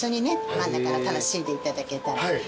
真ん中の楽しんでいただけたら。